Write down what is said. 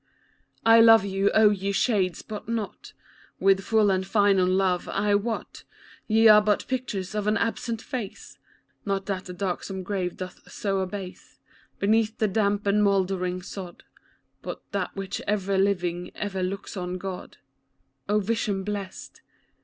I love you, O ye shades, but not With full and final love ; I wot Ye are but pictures of an absent face — Not that the darksome grave doth so abase Beneath the damp and mouldering sod, But that which ever living, ever looks on God. O vision blest